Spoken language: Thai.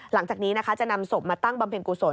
หลังจากนี้นะคะจะนำศพมาตั้งบำเพ็ญกุศล